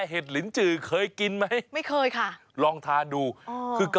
อ่าเหล็ดหิวจื้อมันก็มีความขบนิดของมันนิดนึง